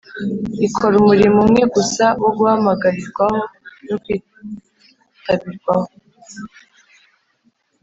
ikora umurimo umwe gusa wo guhamagarirwaho no kwitabirwaho